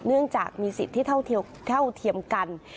เนื่องจากมีสิทธิ์ที่เท่าเทียมกัน